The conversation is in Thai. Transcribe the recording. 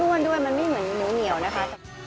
มันมุ่นด้วยมันไม่เหมือนหมูเหนียวนะคะ